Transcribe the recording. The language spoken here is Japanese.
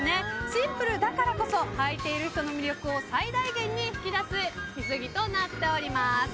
シンプルだからこそはいている人の魅力を最大限に引き出す水着となっております。